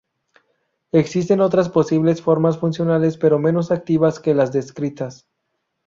Existen otras posibles formas funcionales pero menos activas que las descritas.